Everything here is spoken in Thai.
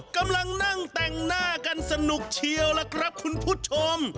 กำลังนั่งแต่งหน้ากันสนุกเชียวล่ะครับคุณผู้ชม